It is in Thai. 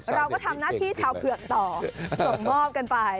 เราก็ทำหน้าที่ชาวเผือกต่อส่งมอบกันไป